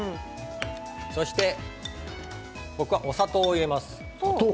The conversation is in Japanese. そして、僕はお砂糖を入れます。